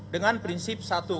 dengan prinsip satu